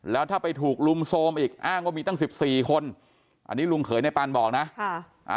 แล้วถ้าไปถูกลุงโซมอีกอ้างว่ามีตั้ง๑๔คนอันนี้ลุงเขยในปันบอกนะ